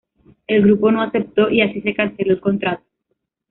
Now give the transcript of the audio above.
El grupo no aceptó y así se canceló el contrato.